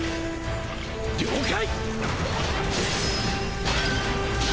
了解！